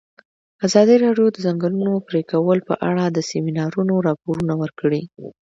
ازادي راډیو د د ځنګلونو پرېکول په اړه د سیمینارونو راپورونه ورکړي.